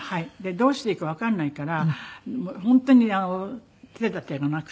どうしていいかわかんないから本当に手立てがなくて。